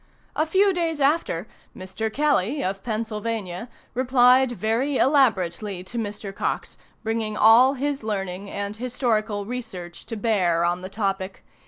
A few days after, Mr. Kelly, of Pennsylvania, replied very elaborately to Mr. Cox, bringing all his learning and historical research to bear on the topic.